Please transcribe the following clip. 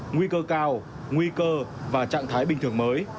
nguy cơ cao nguy cơ và trạng thái bình thường mới